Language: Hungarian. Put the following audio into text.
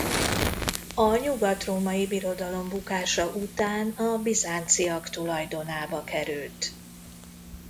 A Nyugatrómai Birodalom bukása után a bizánciak tulajdonába került.